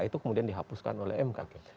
itu kemudian dihapuskan oleh mk